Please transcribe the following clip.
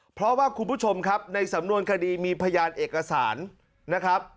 เพราะว่าคุณผู้ชมครับในสำนวนคดีมีพยานเอกสารนะครับ